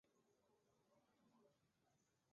桥式底盘和箱形结构形成一个自承式的单元。